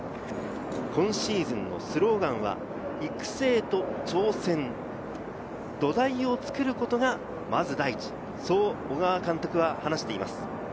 今シーズンのスローガンは、育成と調整、土台を作ることが、まず大事、そう小川監督は話しています。